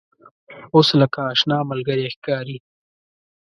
اوس لکه آشنا ملګری ښکاري.